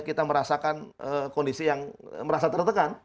kita merasakan kondisi yang merasa tertekan